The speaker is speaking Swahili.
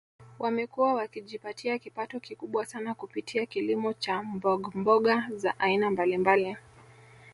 Wamekuwa wakijipatia kipato kikubwa sana kupitia kilimo cha mbogmboga za aina mbalimbali